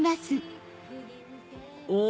お！